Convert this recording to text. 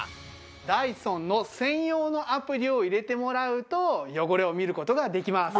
ダイソンの専用のアプリを入れてもらうと汚れを見る事ができます。